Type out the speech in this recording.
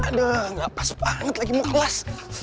aduh gak pas banget lagi mau kelas